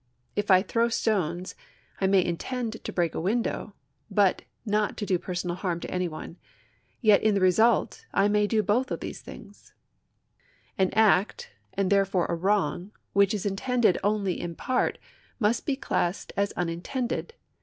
If I throw stones, I may intend to break a window but not to do personal harm to any one ; yet in the result I may do both of these things. An act, and therefore a wrong, which is intended only in part, must be classed as unintended, just as a thing which is 1 Holmes, Common Law, p.